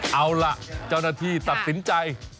เอาล่ะเจ้าหน้าที่ตัดสินใจ